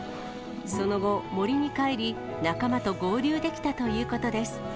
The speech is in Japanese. その後、森に帰り、仲間と合流できたということです。